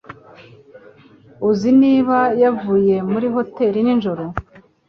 Uzi niba yavuye muri hoteri nijoro?